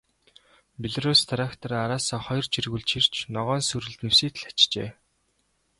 Белорусс трактор араасаа хоёр чиргүүл чирч, ногоон сүрэл нэвсийтэл ачжээ.